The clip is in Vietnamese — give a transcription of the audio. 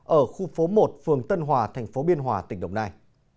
ở khu phố một phường tân hòa tp biên hòa tỉnh đồng nai